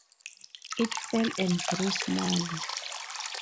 It fell and grew smaller.